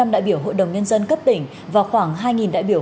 sáu mươi năm đại biểu hội đồng nhân dân cấp tỉnh và khoảng hai đại biểu